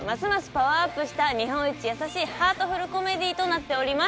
パワーアップした日本一優しいハートフル・コメディとなっております。